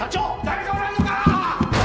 誰かおらんのか！？